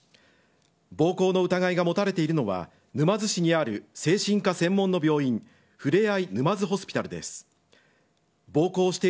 暴行の疑いが持たれているのは沼津市にある精神科専門の病院ふれあい